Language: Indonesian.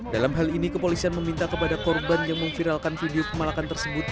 dalam hal ini kepolisian meminta kepada korban yang memviralkan video kemalakan tersebut